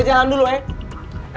bete jangan dulu yaa